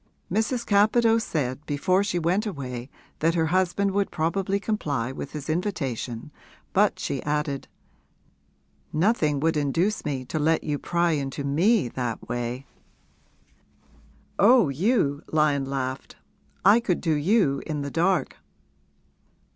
Mrs. Capadose said before she went away that her husband would probably comply with his invitation, but she added, 'Nothing would induce me to let you pry into me that way!' 'Oh, you,' Lyon laughed 'I could do you in the dark!'